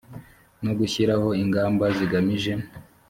no gushyiraho ingamba zigamije